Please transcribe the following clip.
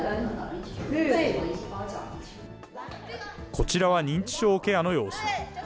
こちらは認知症ケアの様子。